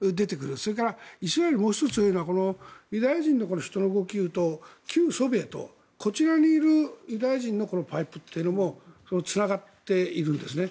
それから、もう１つ言えるのはユダヤ人の人の動きを見ると旧ソビエトこちらにいるユダヤ人のパイプというのもつながっているんですね。